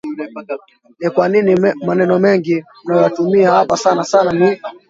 ni kwa nini maneno mengi mnayoyatumia hapa sana sana ni